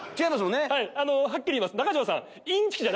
はっきり言います。